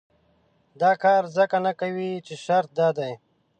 دا کار ځکه نه کوي چې شرط دا دی.